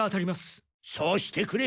そうしてくれ。